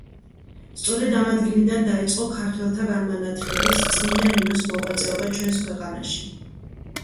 სწორედ ამ ადგილიდან დაიწყო ქართველთა განმანათლებლის, წმინდა ნინოს მოღვაწეობა ჩვენს ქვეყანაში.